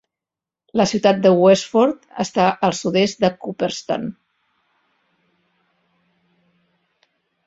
La ciutat de Westford està a sud-est de Cooperstown.